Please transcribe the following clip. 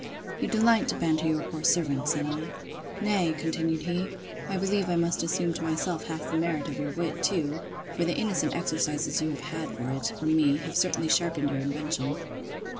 You delight to banter your poor servant, said I. Nay, continued he, I believe I must assume to myself half the merit of your wit, too; for the innocent exercises you have had for it, from me, have certainly sharpened your invention.